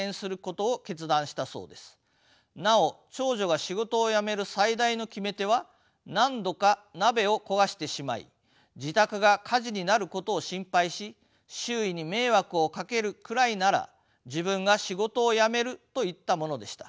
なお長女が仕事を辞める最大の決め手は何度か鍋を焦がしてしまい自宅が火事になることを心配し周囲に迷惑をかけるくらいなら自分が仕事を辞めるといったものでした。